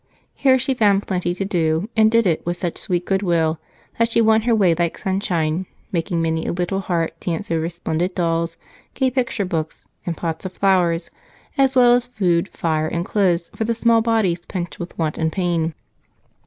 Here she found plenty to do, and did it with such sweet goodwill that she won her way like sunshine, making many a little heart dance over splendid dolls, gay picture books, and pots of flowers, as well as food, fire, and clothes for the small bodies pinched with want and pain.